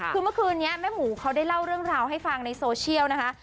คือเมื่อคืนนี้แม่หมูเขาได้เล่าเรื่องราวให้ฟังในโซเชียลนะคะ